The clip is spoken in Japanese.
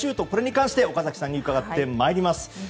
これに関して岡崎さんに伺ってまいります。